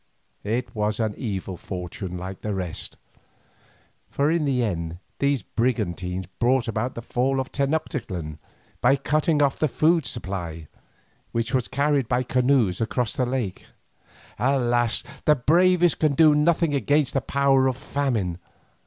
It was an evil fortune like the rest, for in the end these brigantines brought about the fall of Tenoctitlan by cutting off the supply of food, which was carried in canoes across the lake. Alas! the bravest can do nothing against the power of famine.